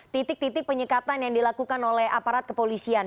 titik titik penyekatan yang dilakukan oleh aparat kepolisian